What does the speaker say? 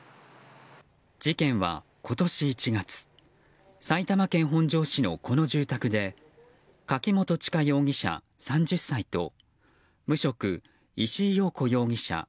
事件は今年１月埼玉県本庄市のこの住宅で柿本知香容疑者、３０歳と無職、石井陽子容疑者